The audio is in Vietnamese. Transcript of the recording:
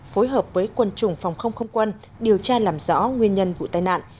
phối hợp với quân chủng phòng không không quân điều tra làm rõ nguyên nhân vụ tai nạn